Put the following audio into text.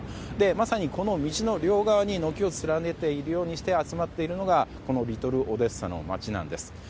まさにこの道の両側に軒を連ねているようにして集まっているのがこのリトル・オデッサの町なんです。